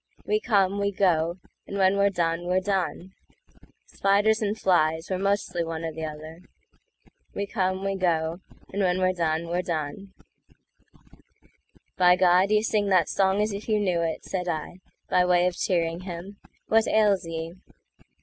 We come, we go; and when we're done, we're done; Spiders and flies—we're mostly one or t'other—We come, we go; and when we're done, we're done;"By God, you sing that song as if you knew it!"Said I, by way of cheering him; "what ails ye?"